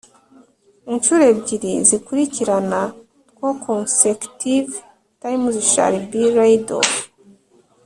inshuro ebyiri zikurikirana two consecutive times shall be laid off